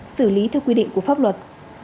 xử lý theo quy định của pháp luật